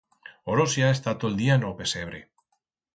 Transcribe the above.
Orosia está to'l día en o pesebre.